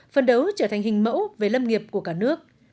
phân đấu trở thành hình mẫu về lâm nghiệp của cả nước